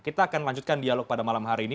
kita akan lanjutkan dialog pada malam hari ini